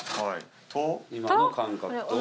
今の感覚と。